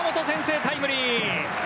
先制タイムリー。